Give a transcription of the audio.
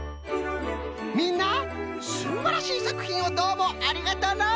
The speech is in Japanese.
みんなすんばらしいさくひんをどうもありがとのう！